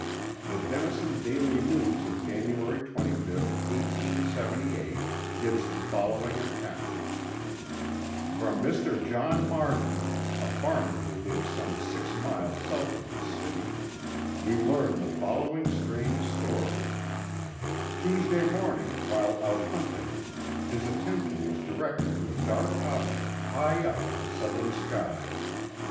The Denison Daily News of January 25, 1878, gives the following account: From Mr. John Martin, a farmer who lives some six miles south of this city, we learn the following strange story: Tuesday morning while out hunting, his attention was directed to a dark object high up in the southern sky.